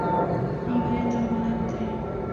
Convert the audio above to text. ماموریت یو امانت دی